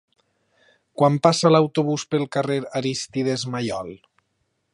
Quan passa l'autobús pel carrer Arístides Maillol?